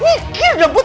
mikir dong put